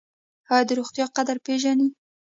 ایا د روغتیا قدر پیژنئ؟